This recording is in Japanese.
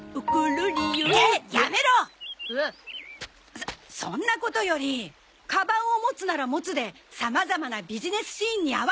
そそんなことよりカバンを持つなら持つでさまざまなビジネスシーンに合わせて使えないとね。